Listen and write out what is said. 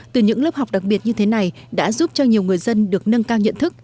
từ những lớp học đặc biệt như thế này đã giúp cho nhiều người dân được nâng cao nhận thức